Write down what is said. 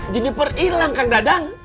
jennifer ilang kang dadang